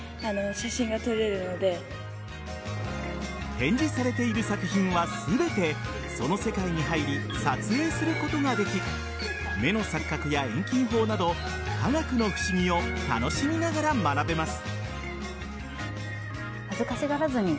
展示されている作品は全てその世界に入り撮影することができ目の錯覚や遠近法など科学の不思議を楽しみながら学べます。